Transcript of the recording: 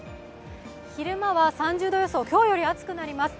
昼間は３０度予想、今日より暑くなります。